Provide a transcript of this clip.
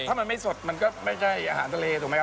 ถ้ามันไม่สดมันก็ไม่ใช่อาหารทะเล